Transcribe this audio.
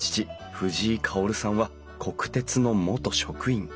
藤井薫さんは国鉄の元職員。